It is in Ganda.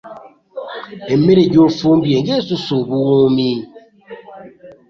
Emmere gy'ofumbye ng'esusse obuwoomi!